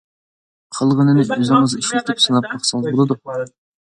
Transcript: قالغىنىنى ئۆزىڭىز ئىشلىتىپ سىناپ باقسىڭىز بولىدۇ.